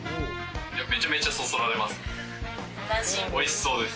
めちゃめちゃそそられますね。